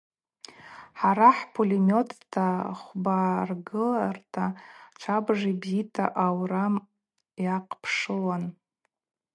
Хӏара йхӏпулеметта хвба ргыларта швабыж йбзита аурам йахъпшылуан.